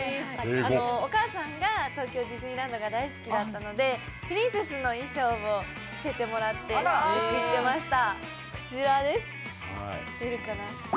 お母さんが東京ディズニーランドを大好きだったのでプリンセスの衣装を着せてもらって、よく行ってました。